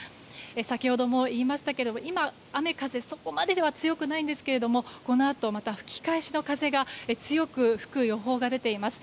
先ほども言いましたけど今、雨風は、そこまでは強くないんですけれどもこのあとまた吹き返しの風が強く吹く予報が出ています。